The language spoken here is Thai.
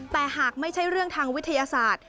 แต่หากไม่ใช่เรื่องทางวิทยาศาสตร์